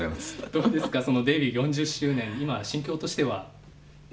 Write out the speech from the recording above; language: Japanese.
どうですかデビュー４０周年心境としては？